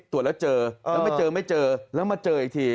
ตรวจแล้วเจอแล้วไม่เจอไม่เจอแล้วมาเจออีกที